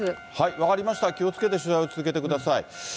分かりました、気をつけて取材を続けてください。